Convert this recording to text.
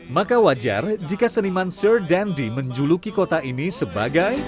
maka wajar jika seniman sur dendi menjuluki kota ini sebagai